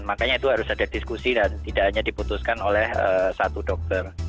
makanya itu harus ada diskusi dan tidak hanya diputuskan oleh satu dokter